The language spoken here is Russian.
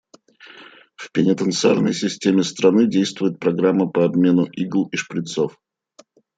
В пенитенциарной системе страны действует программа по обмену игл и шприцов.